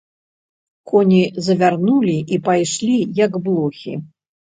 Коні завярнулі і пайшлі, як блохі.